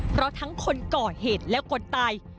เพราะทั้งคนก่อเหตุและคนตาย